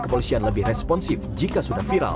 kepolisian lebih responsif jika sudah viral